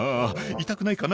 「痛くないかな？